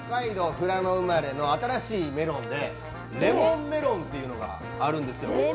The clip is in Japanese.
富良野生まれの新しいメロンでレモンメロンっていうのがあるんですよ。